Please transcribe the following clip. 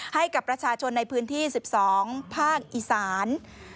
ให้กับประชาชนในพื้นที่๑๒ภาคอีสาน